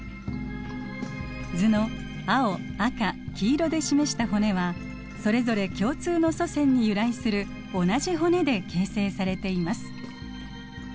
図の青赤黄色で示した骨はそれぞれ共通の祖先に由来する同じ骨で形成されています。